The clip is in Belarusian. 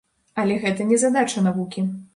Але гэта не задача навукі.